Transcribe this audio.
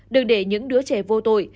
đừng để những đứa trẻ vô tội